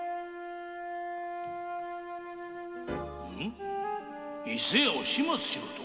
〔伊勢屋を始末しろと？